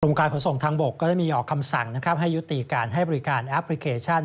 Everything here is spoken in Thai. การขนส่งทางบกก็ได้มีออกคำสั่งนะครับให้ยุติการให้บริการแอปพลิเคชัน